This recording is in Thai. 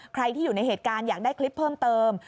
ใครที่อยู่ในเหตุการณ์อยากได้คลิปเพิ่มเติม